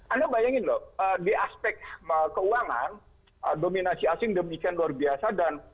anda bayangin loh di aspek keuangan dominasi asing demikian luar biasa dan